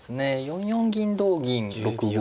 ４四銀同銀６五